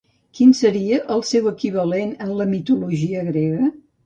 Quin seria el seu equivalent en la mitologia grega?